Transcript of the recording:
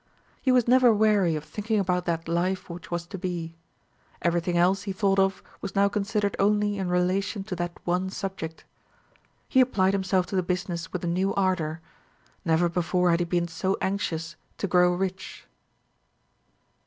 He was never weary of thinking about that life which was to be. Everything else he thought of was now considered only in relation to that one subject. He applied himself to business with a new ardour; never before had he been so anxious to grow rich.